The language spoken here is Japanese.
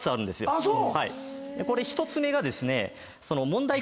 あっそう！